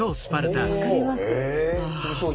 分かります？